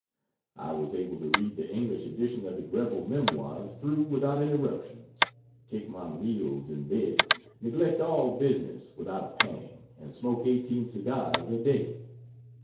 I was able to read the English edition of the Greville Memoirs through without interruption, take my meals in bed, neglect all business without a pang, and smoke 18 cigars a day.